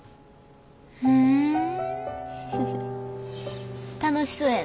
ふん楽しそうやな。